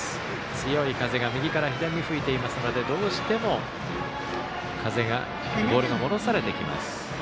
強い風が右から左に吹いていますのでどうしてもボールが戻されてきます。